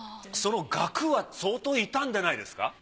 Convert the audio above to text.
その額は相当傷んでないですか？